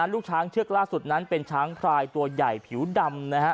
ลูกช้างเชือกล่าสุดนั้นเป็นช้างพลายตัวใหญ่ผิวดำ